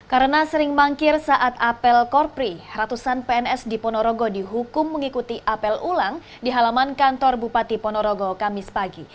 karena sering mangkir saat apel korpri ratusan pns di ponorogo dihukum mengikuti apel ulang di halaman kantor bupati ponorogo kamis pagi